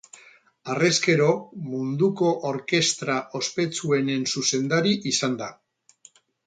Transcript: Harrezkero, munduko orkestra ospetsuenen zuzendari izan da.